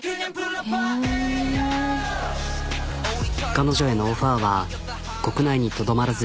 彼女へのオファーは国内にとどまらず。